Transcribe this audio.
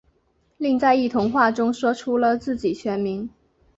另在同一话中说出了自己全名。